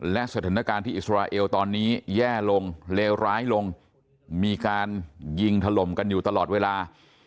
และสถานการณ์ที่อิสราเอลตอนนี้แย่ลงเลวร้ายลงมีการยิงถล่มกันอยู่ตลอดเวลา